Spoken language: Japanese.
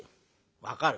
「分かる。